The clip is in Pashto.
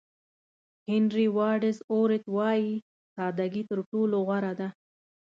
هېنري واډز اورت وایي ساده ګي تر ټولو غوره ده.